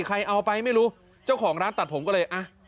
ใครเอาไปไม่รู้เจ้าของร้านตัดผมก็เลยอ่ะ